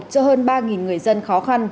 cho hơn ba người dân khó khăn